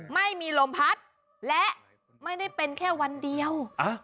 ไม่มีลมพัดและไม่ได้เป็นแค่วันเดียว